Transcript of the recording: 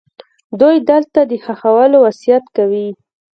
دوی دلته د ښخولو وصیت کوي.